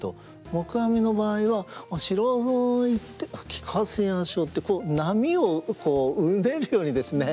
黙阿弥の場合は「知らざあ言ってきかせやしょう」って波をこううねるようにですね